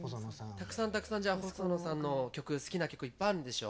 たくさんたくさんじゃあ細野さんの曲好きな曲いっぱいあるんでしょ？